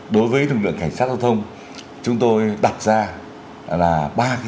đối với lực lượng cảnh sát giao thông chúng tôi đặt ra là ba kế hoạch